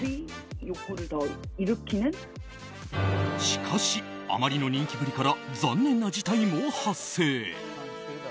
しかし、あまりの人気ぶりから残念な事態も発生。